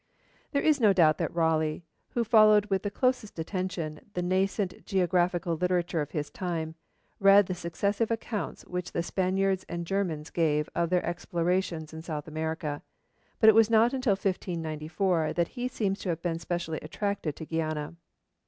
There is no doubt that Raleigh, who followed with the closest attention the nascent geographical literature of his time, read the successive accounts which the Spaniards and Germans gave of their explorations in South America. But it was not until 1594 that he seems to have been specially attracted to Guiana.